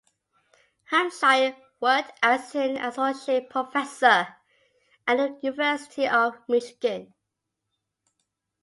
Hampshire worked as an associate professor at the University of Michigan.